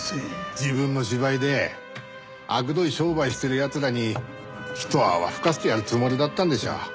自分の芝居であくどい商売してる奴らに一泡吹かせてやるつもりだったんでしょう。